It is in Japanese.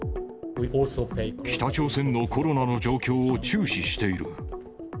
北朝鮮のコロナの状況を注視している。